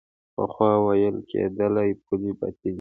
پخوا ویل کېدل پولې باطلې دي.